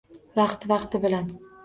Vaqti-vaqti bilan